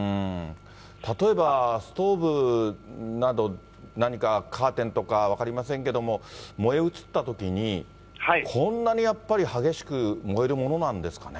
例えばストーブなど、何か、カーテンとか、分かりませんけども、燃え移ったときに、こんなにやっぱり激しく燃えるものなんですかね。